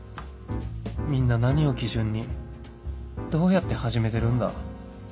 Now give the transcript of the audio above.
みんな何を基準にどうやって始めてるんだ？